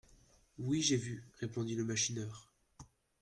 Oui, j'ai vu, répondit le machineur.